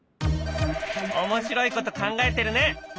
面白いこと考えてるね！